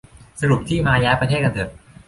สรุปที่มา ย้ายประเทศกันเถอะ